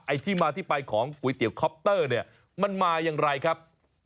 ที่มาที่ไปของก๋วยเตี๋ยวคอปเตอร์เนี่ยมันมาอย่างไรครับ